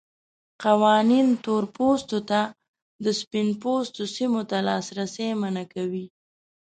قوانین تور پوستو ته د سپین پوستو سیمو ته لاسرسی منع کوي.